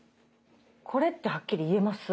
これってはっきり言えます？